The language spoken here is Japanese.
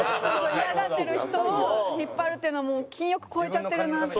嫌がってる人を引っ張るっていうのはもう金欲超えちゃってるなっていう。